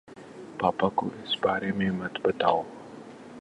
پاپا کو اِس بارے میں مت بتاؤ۔